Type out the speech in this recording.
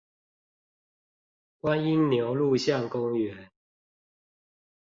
觀音牛路巷公園